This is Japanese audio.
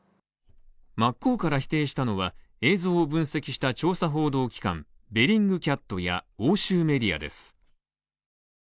真っ向から否定したのは、映像を分析した調査報道機関・ベリングキャットや欧州メディアです。